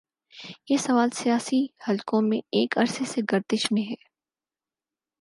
یہ سوال سیاسی حلقوں میں ایک عرصے سے گردش میں ہے۔